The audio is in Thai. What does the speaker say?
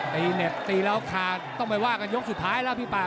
เหน็บตีแล้วคาต้องไปว่ากันยกสุดท้ายแล้วพี่ป่า